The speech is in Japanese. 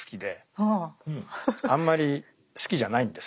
あんまり好きじゃないんです